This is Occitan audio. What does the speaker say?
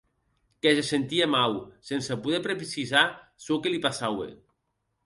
Que se sentie mau, sense poder precisar çò que li passaue.